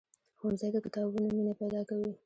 ښوونځی د کتابونو مینه پیدا کوي.